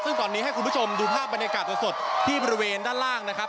ซึ่งตอนนี้ให้คุณผู้ชมดูภาพบรรยากาศสดที่บริเวณด้านล่างนะครับ